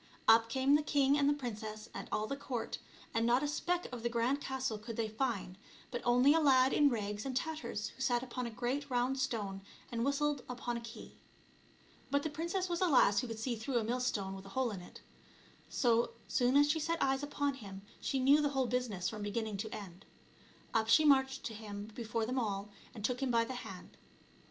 Up came the king and the princess and all the court, and not a speck of the grand castle could they find, but only a lad in rags and tatters who sat upon a great round stone and whistled upon a key. But the princess was a lass who could see through a millstone with a hole in it. So soon as she set eyes upon him she knew the whole busi ness from beginning to end. Up she marched to him, before them all, and took him by the hand.